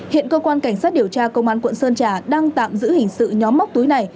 hiện cơ quan cảnh sát điều tra công an quận sơn trà đang tạm giữ hình sự nhóm móc túi này